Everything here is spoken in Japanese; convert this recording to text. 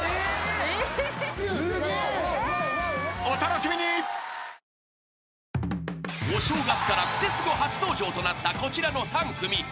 ［お正月から『クセスゴ』初登場となったこちらの３組］